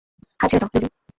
হাল ছেড়ে দাও, লুলু।